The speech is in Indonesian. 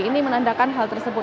ini menandakan hal tersebut